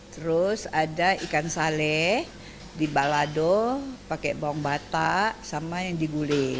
terus ada ikan sale dibalado pakai bawang batak sama yang digulih